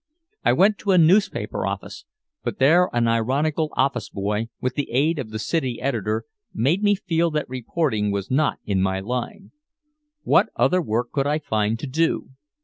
I went to a newspaper office, but there an ironical office boy, with the aid of the city editor, made me feel that reporting was not in my line. What other work could I find to do?